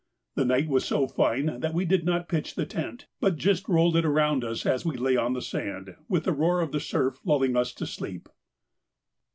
The night was so fine that we did not pitch the tent, but just rolled it round us as we lay on the sand, with the roar of the surf lulling us to sleep.